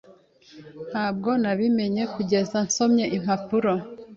Ntabwo nabimenye kugeza nsomye impapuro.